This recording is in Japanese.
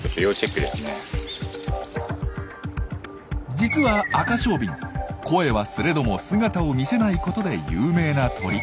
実はアカショウビン声はすれども姿を見せないことで有名な鳥。